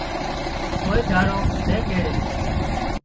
ڪوئي ۮاڙو نين ڪيڙي